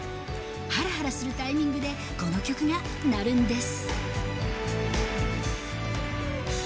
はらはらするタイミングで、この曲が鳴るんです。